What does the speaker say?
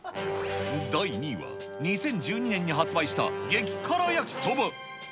第２位は２０１２年に発売した激辛やきそば。